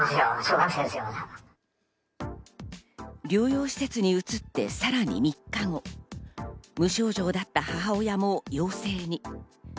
療養施設に移ってさらに３日後、無症状だった母親も陽性に。